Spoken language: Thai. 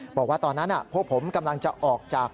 บอกว่าตอนนั้นพวกผมกำลังจะออกจาก